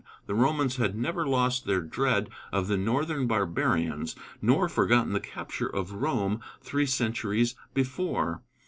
The Romans had never lost their dread of the northern barbarians, nor forgotten the capture of Rome three centuries before.